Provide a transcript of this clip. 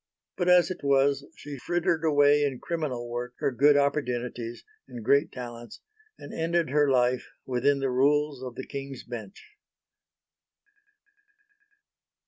But as it was, she frittered away in criminal work her good opportunities and great talents, and ended her life within the rules of the King's Bench.